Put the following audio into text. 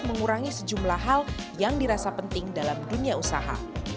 mengurangi sejumlah hal yang dirasa penting dalam dunia usaha